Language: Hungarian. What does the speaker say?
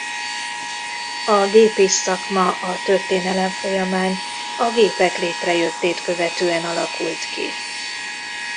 A gépész szakma a történelem folyamán a gépek létrejöttét követően alakult ki.